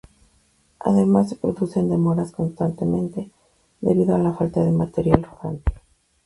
Además, se producen demoras constantemente, debido a la falta de material rodante.